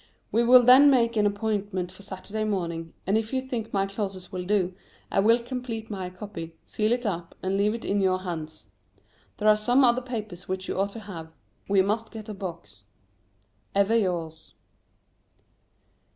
We will then make an appointment for Saturday morning, and if you think my clauses will do, I will complete my copy, seal it up, and leave it in your hands. There are some other papers which you ought to have. We must get a box. Ever yours.